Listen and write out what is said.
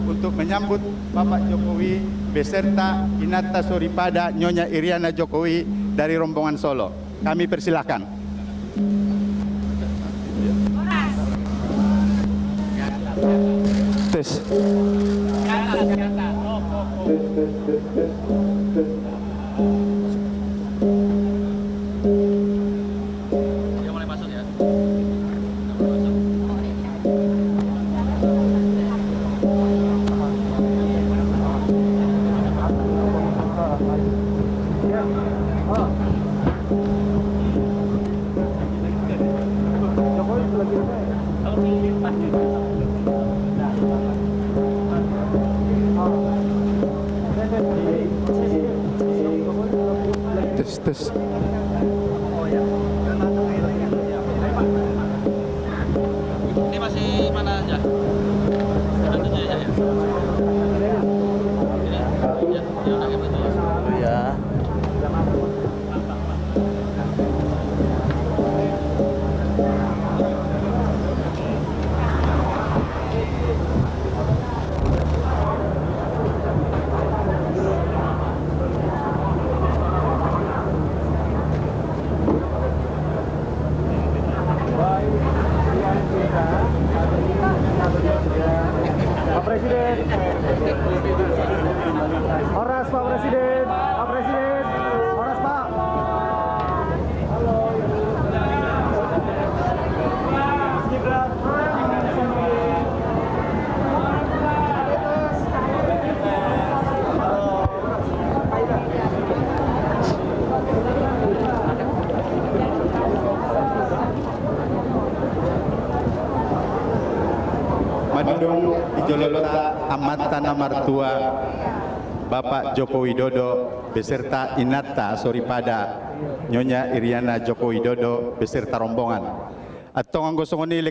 untuk menyambut bapak jokowi beserta inata suripada nyonya iryana jokowi dari rombongan solo